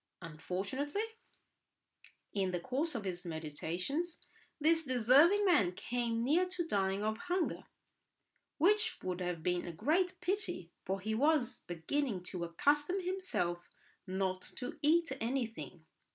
Unfortunately, in the course of his meditations this deserving man came near to dying of hunger; which would have been a great pity, for he was beginning to accustom himself not to eat anything.